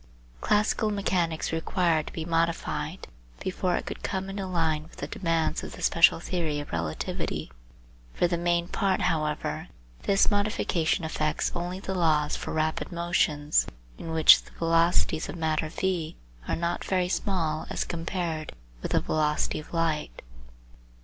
Classical mechanics required to be modified before it could come into line with the demands of the special theory of relativity. For the main part, however, this modification affects only the laws for rapid motions, in which the velocities of matter v are not very small as compared with the velocity of light.